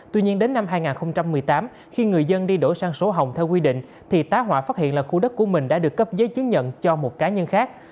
tuy nhiên đến năm hai nghìn một mươi tám khi người dân đi đổi sang sổ hồng theo quy định thì tá họa phát hiện là khu đất của mình đã được cấp giấy chứng nhận cho một cá nhân khác